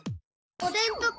おでんとか？